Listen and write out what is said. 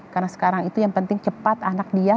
karena sekarang itu yang penting cepat anak dia